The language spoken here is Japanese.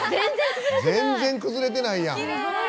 全然崩れてないやん！